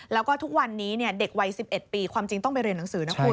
แล้วก็ทุกวันนี้เด็กวัย๑๑ปีความจริงต้องไปเรียนหนังสือนะคุณ